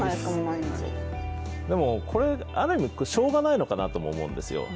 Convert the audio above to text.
でも、これ、ある意味、しようがないのかなとも思うんですよ。